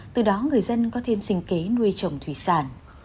từ đó người dân có thêm sinh kế nuôi trồng thủy sản